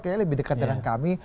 kayaknya lebih dekat dengan kami